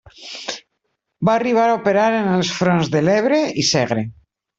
Va arribar a operar en els fronts de l'Ebre i Segre.